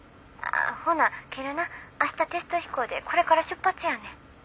ほな切るな明日テスト飛行でこれから出発やねん。